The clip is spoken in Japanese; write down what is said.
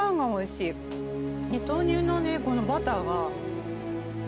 豆乳のこのバターが。